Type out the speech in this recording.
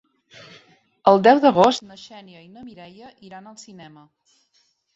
El deu d'agost na Xènia i na Mireia iran al cinema.